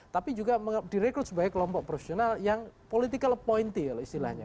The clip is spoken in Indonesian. tapi juga direkrut sebagai kelompok profesional yang political appointee istilahnya